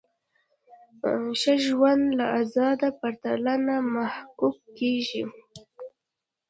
ښه ژوند له ازادۍ پرته نه محقق کیږي.